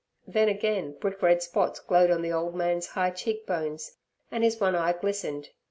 Then again brick red spots glowed on the old man's high cheek bones, and his one eye glistened.